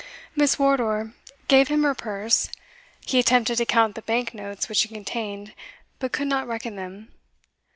Miss Wardour gave him her purse; he attempted to count the bank notes which it contained, but could not reckon them.